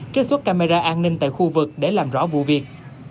trích xuất camera an ninh tại khu vực để làm rõ vụ việc